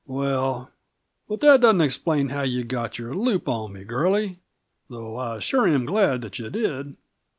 "Well, but that doesn't explain how you got your loop on me, girlie though I sure am glad that you did!"